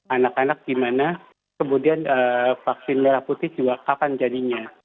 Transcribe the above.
anak anak di mana kemudian vaksin merah putih juga kapan jadinya